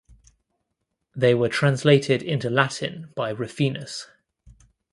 They were translated into Latin by Rufinus.